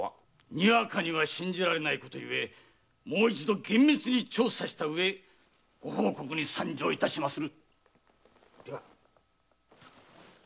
にわかには信じられないことゆえもう一度厳密に調査したうえご報告に参上いたしまする。